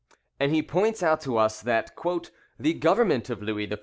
] And he points out to us, that "the government of Louis XIV.